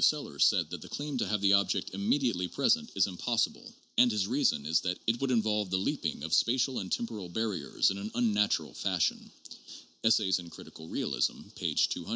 Sellars said that the claim to have the object immediately present is " impossible," and his reason is that " it would involve the leaping of spatial and temporal barriers in an unnatural fashion " (Essays in Critical Realism, p. 200).